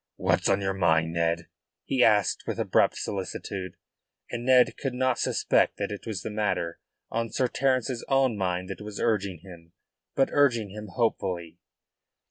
"What's on your mind, Ned?" he asked with abrupt solicitude, and Ned could not suspect that it was the matter on Sir Terence's own mind that was urging him but urging him hopefully.